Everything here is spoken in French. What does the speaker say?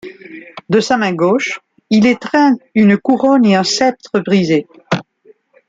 De sa main gauche, il étreint une couronne et un sceptre brisés.